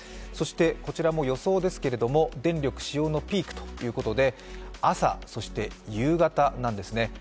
そして、こちらも予想ですが、電力使用のピークということで、朝、そして夕方なんですね。